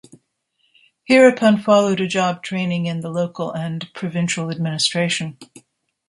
Hereupon followed a job training in the local and provincial administration.